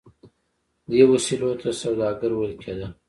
دې وسیلو ته سوداګر ویل کیدل.